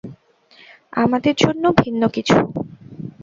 আমাদের জন্য ভিন্ন কিছু।